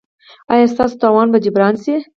ایا ستاسو تاوان به جبران شي؟